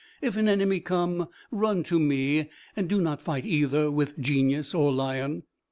If an enemy come, run to me; and do not fight either with Genius or lion."